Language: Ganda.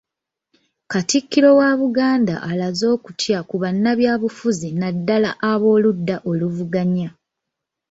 Katikkiro wa Buganda alaze okutya ku bannabyabufuzi naddala ab'oludda oluvuganya